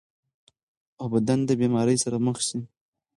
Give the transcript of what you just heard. او بدن د بيمارۍ سره مخ شي -